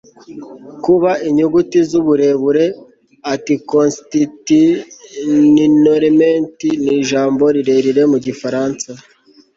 Kuba inyuguti zuburebure anticonstitutionnellement nijambo rirerire mu gifaransa